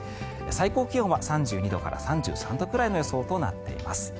最高気温は３２度から３３度くらいの予想となっています。